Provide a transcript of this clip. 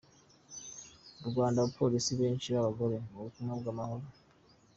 u Rwanda abapolisi benshi b’abagore mu butumwa bw’amahoro